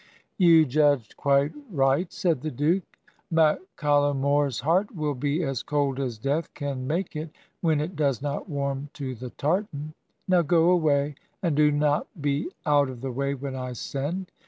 'You judged quite right/ said the Duke. ' Macallumore's heart will be as cold as death can make it, when it does not warm to the tartan. Now, go away, and do not be out of the way when I send.'